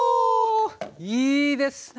いいですね。